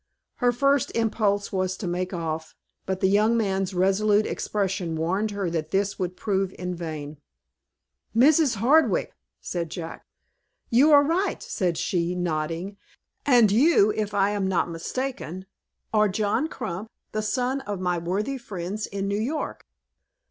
"Her first impulse was to make off, but the young man's resolute expression warned her that this would prove in vain. "Mrs. Hardwick!" said Jack. "You are right," said she, nodding, "and you, if I am not mistaken, are John Crump, the son of my worthy friends in New York."